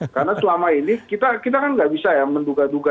karena selama ini kita kan nggak bisa ya menduga duga